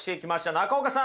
中岡さん